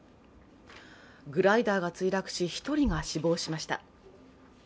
グライダーが墜落し、１人が死亡しました。